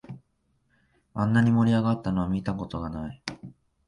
あんなに盛り上がったのは見たことない